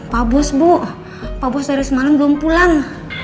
pak bos bu pak bos dari semalem belum pulang